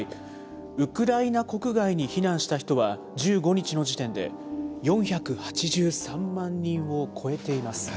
ウクライナ国外に避難した人は、１５日の時点で４８３万人を超えています。